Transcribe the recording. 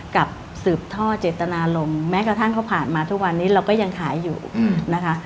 กับสืบท่อเจตนารมณ์แม้กระทั่งเขาผ่านมาทุกวันนี้เราก็ยังขายอยู่นะคะ